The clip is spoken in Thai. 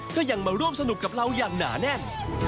ก็ยังมาร่วมสนุกกับเราอย่างหนาแน่น